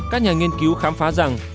các nhà nghiên cứu khám phá rằng